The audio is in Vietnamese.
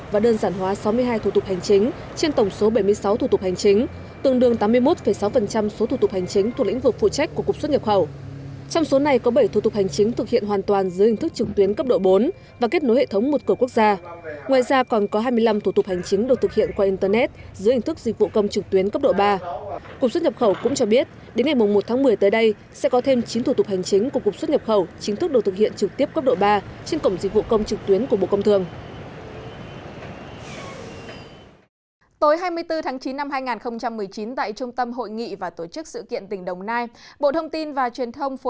với hai mươi bốn tháng chín năm hai nghìn một mươi chín tại trung tâm hội nghị và tổ chức sự kiện tỉnh đồng nai bộ thông tin và truyền thông phối hợp với ubnd tỉnh đồng nai tổ chức khai mạc triển lãm ảnh và phim phóng sự tài liệu trong cộng đồng asean năm hai nghìn một mươi chín